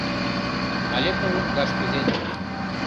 Але пыл лоҥгаш кӱзет